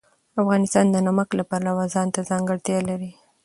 افغانستان د نمک د پلوه ځانته ځانګړتیا لري.